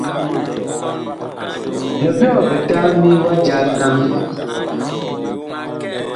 Byɔbyɔɔ bitambi wa jal naŋ ?